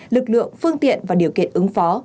lực lượng phương tiện và điều kiện ứng phó